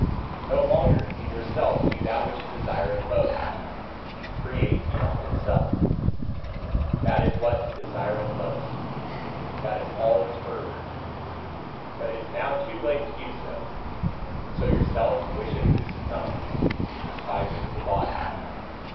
No longer can your Self do that which it desireth most: create beyond itself. That is what it desireth most; that is all its fervour. But it is now too late to do so: so your Self wisheth to succumb, ye despisers of the body.